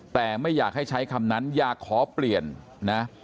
แต่ไม่อยากให้ใช้คำนั้นอยากขอเปลี่ยนนะ